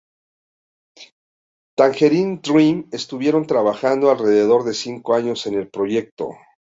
Tangerine Dream estuvieron trabajando alrededor de cinco años en el proyecto.